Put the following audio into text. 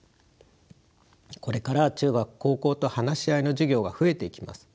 これから中学高校と話し合いの授業が増えていきます。